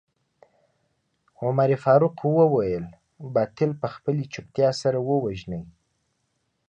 عمر فاروق وويل باطل په خپلې چوپتيا سره ووژنئ.